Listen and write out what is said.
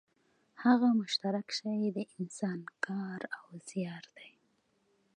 هغه مشترک شی د انسان کار او زیار دی